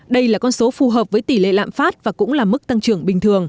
đây là con số phù hợp với tỷ lệ lạm phát và cũng là mức tăng trưởng bình thường